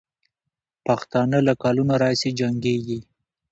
پښتانه له کلونو راهیسې جنګېږي.